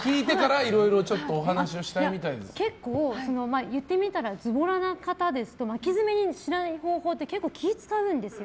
結構、言ってみたらずぼらな方ですと巻き爪にしない方法って結構、気を使うんですよ。